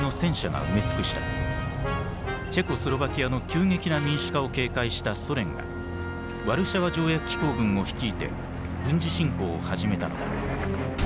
チェコスロバキアの急激な民主化を警戒したソ連がワルシャワ条約機構軍を率いて軍事侵攻を始めたのだ。